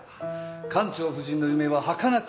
館長夫人の夢ははかなく散った。